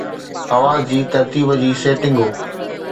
آواز جي ترتيب جي سيٽنگون